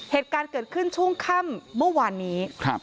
เหตุการณ์เกิดขึ้นช่วงข้ามเมื่อวานนี้